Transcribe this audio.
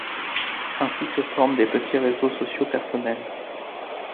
Ainsi, se forment des petits réseaux sociaux personnels.